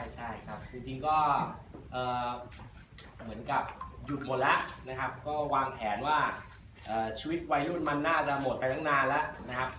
ใช่ครับจริงก็เหมือนกับหยุดหมดแล้วนะครับก็วางแผนว่าชีวิตวัยรุ่นมันน่าจะหมดไปตั้งนานแล้วนะครับ